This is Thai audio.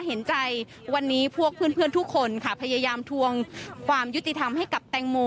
เห็นใจวันนี้พวกเพื่อนทุกคนค่ะพยายามทวงความยุติธรรมให้กับแตงโม